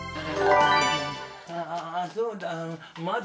あそうだ。